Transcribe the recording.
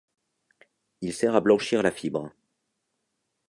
Il sert à blanchir la fibre.